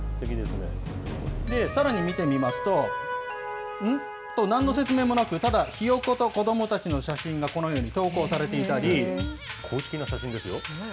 さらに見てみますと、ん？と、なんの説明もなくただ、ひよこと子どもたちの写真がこのように投公式な写真ですよ。